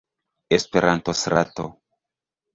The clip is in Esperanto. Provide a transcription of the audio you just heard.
Esperanto-Strato.